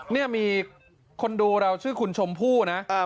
นี่มีคนดูเราชื่อคุณชมพู่นะ